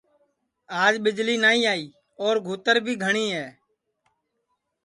آج ٻِجݪی نائی آئی اور گُھوتر بھی گھٹؔی ہے